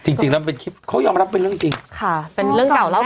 จริงแล้วมันเป็นคลิปเขายอมรับเป็นเรื่องจริงค่ะเป็นเรื่องเก่าเล่า